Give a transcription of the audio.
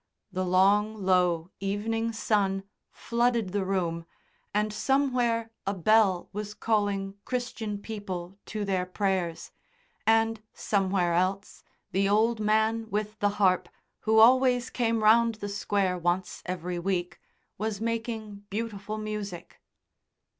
The long low evening sun flooded the room, and somewhere a bell was calling Christian people to their prayers, and somewhere else the old man with the harp, who always came round the Square once every week, was making beautiful music.